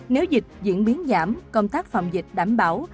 nếu dịch diễn biến giảm công tác phòng dịch đảm bảo